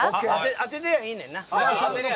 当てりゃいいねんな。